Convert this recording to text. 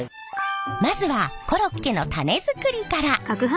まずはコロッケのタネ作りから。